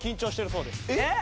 えっ！